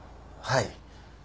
はい。